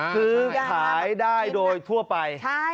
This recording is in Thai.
ซื้อขายได้โดยทั่วไป